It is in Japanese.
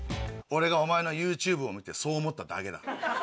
俺がお前のＹｏｕＴｕｂｅを見てそう思っただけだ。